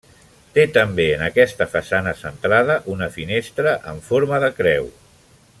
Té també en aquesta façana, centrada, una finestra en forma de creu.